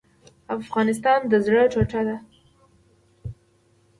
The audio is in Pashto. افغانستان د زړه ټوټه ده؟